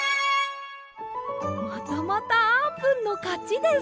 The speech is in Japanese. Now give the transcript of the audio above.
またまたあーぷんのかちです。